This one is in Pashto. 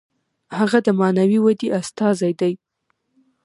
هغه د معنوي ودې استازی دی.